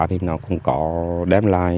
thì nó cũng có đem lại